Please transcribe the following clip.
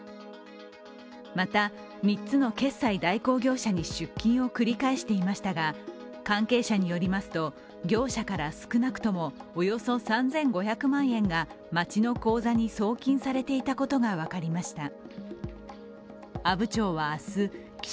また３つの決済代行業者に出金を繰り返していましたが関係者によりますと、業者から少なくともおよそ３５００万円が町の口座に送金されていたことが分かりました。